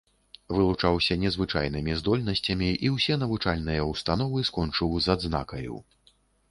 Вылучаўся незвычайнымі здольнасцямі і ўсе навучальныя ўстановы скончыў з адзнакаю.